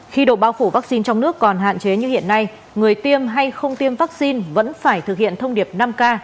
khi độ bao phủ vaccine trong nước còn hạn chế như hiện nay người tiêm hay không tiêm vaccine vẫn phải thực hiện thông điệp năm k